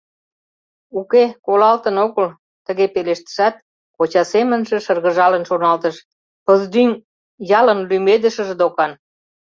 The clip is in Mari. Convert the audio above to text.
— Уке, колалтын огыл, — тыге пелештышат, коча семынже шыргыжалын шоналтыш: «Пыздӱҥ — ялын лӱмедышыже докан.